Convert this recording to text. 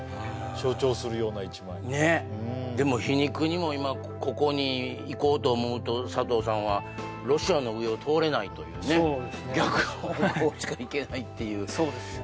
象徴するような１枚ねえでも皮肉にも今ここに行こうと思うと佐藤さんはロシアの上を通れないというねっそうですね